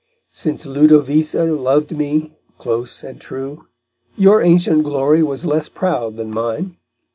Since Ludovisa loved me, close and true, Your ancient glory was less proud than mine.